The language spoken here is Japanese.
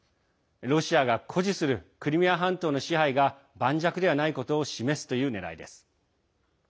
ロシアが誇示するクリミア半島の支配が盤石ではないことを示すというねらいです。